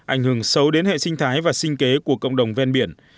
ảnh hưởng xấu đến hệ sinh thái và sinh kế của cộng đồng ven biển